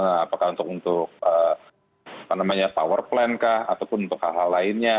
apakah untuk power plant kah ataupun untuk hal hal lainnya